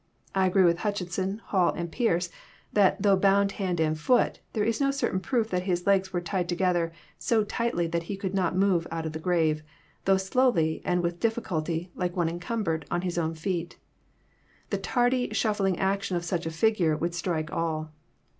I agree with Hntche son, Hall, and Fearce, that though bound hand and foot," there is no certain proof that his legs were tied together so tightly that he could not move out of the grave, though slowly and with difficulty, like one encumbered, on his own feet. The tardy, shuffling action of such a figure would strike all.